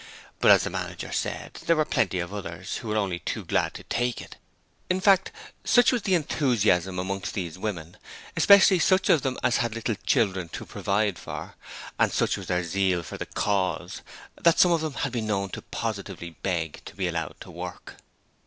But as the manager said, there were plenty of others who were only too glad to take it. In fact, such was the enthusiasm amongst these women especially such of them as had little children to provide for and such was their zeal for the Cause, that some of them have been known to positively beg to be allowed to work!